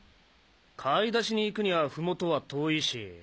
買い出しに行くにはふもとは遠いし。